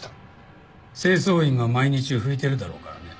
清掃員が毎日拭いてるだろうからね。